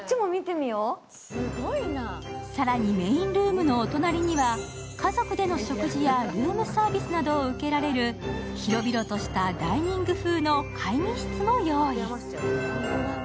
更にメインルームのお隣には家族での食事やルームサービスなどを受けられる広々としたダイニング風の会議室も用意。